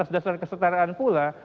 atas dasar kesetaraan pula